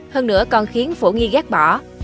hơn nữa còn khiến phổ nghi ghét bỏ